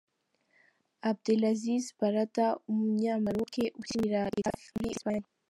Abdelaziz Barrada, umunyamaroke ukinira Getafe muri Esipanye.